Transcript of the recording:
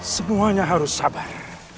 semuanya harus sabar